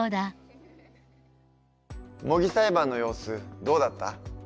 模擬裁判の様子どうだった？